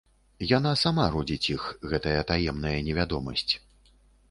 Яна сама родзіць іх, гэтая таемная невядомасць.